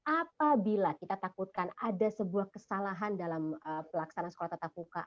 apabila kita takutkan ada sebuah kesalahan dalam pelaksanaan sekolah tatap muka